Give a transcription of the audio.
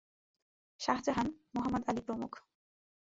শাহজাহান, মোহাম্মদ আলী প্রমুখ।